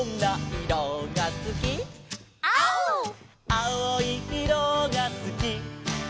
「あおいいろがすき」